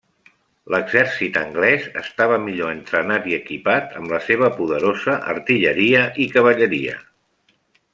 L'exèrcit anglès estava millor entrenat i equipat amb la seva poderosa artilleria i cavalleria.